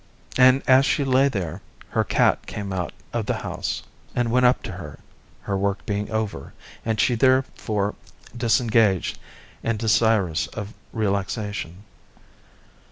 And as she lay there, her cat came out of the house and went up to her, her work being over, and she therefore disengaged and desirous of relaxation.